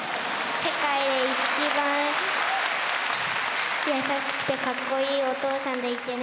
世界で一番優しくて、かっこいいお父さんでいてね。